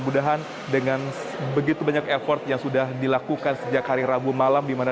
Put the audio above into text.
baik dari bagaimana